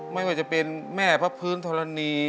ไม่ว่าจะเป็นแม่พระพื้นธรณี